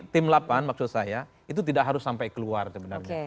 tim delapan maksud saya itu tidak harus sampai keluar sebenarnya